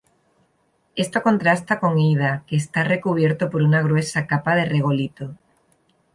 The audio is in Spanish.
Esto contrasta con Ida que está cubierto por una gruesa capa de regolito.